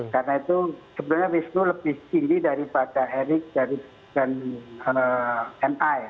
karena itu sebenarnya wisnu lebih tinggi daripada erik dan ma ya